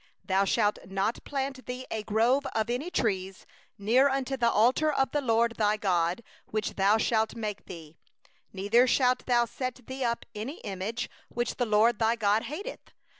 21Thou shalt not plant thee an Asherah of any kind of tree beside the altar of the LORD thy God, which thou shalt make thee. 22Neither shalt thou set thee up a pillar, which the LORD thy God hateth.